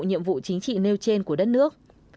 nhiệm vụ chính trị nêu trên của đất nước